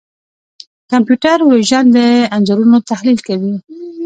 کمپیوټر وژن د انځورونو تحلیل کوي.